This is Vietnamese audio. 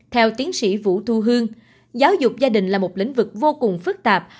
theo tiến sĩ vũ thu hương giáo dục gia đình là một lĩnh vực vô cùng phức tạp